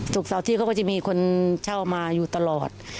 ศุกร์เสาร์ที่เขาก็จะมีคนเช่ามาอยู่ตลอด